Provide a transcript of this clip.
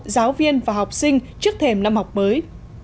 giáo viên và học sinh trước thềm năm học mới